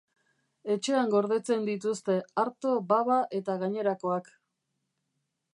Etxean gordetzen dituzte arto, baba eta gainerakoak.